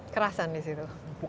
kerasan di situ